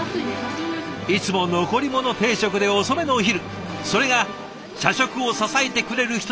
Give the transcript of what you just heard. いつも残り物定食で遅めのお昼それが社食を支えてくれる人たちのサラメシ。